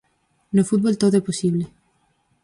No fútbol todo é posible.